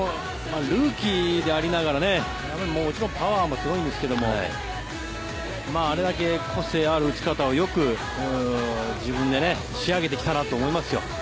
ルーキーでありながらもちろんパワーもすごいんですがあれだけ個性ある打ち方をよく自分で仕上げてきたなと思いますよ。